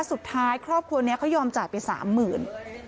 สุดท้ายครอบครัวเนี้ยเขายอมจ่ายไปสามหมื่น